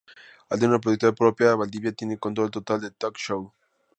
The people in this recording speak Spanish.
Al tener una productora propia, Valdivia tiene control total de "Toc show".